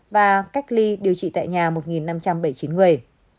và cách ly điều trị tại nhà một năm trăm bảy mươi chín người